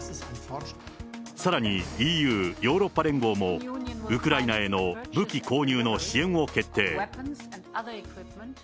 さらにＥＵ・ヨーロッパ連合も、ウクライナへの武器購入の支援を決定。